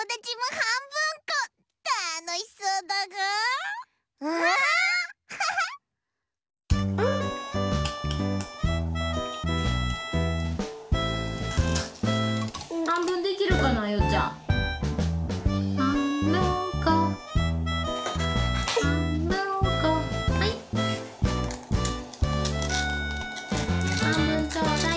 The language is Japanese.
はんぶんちょうだい。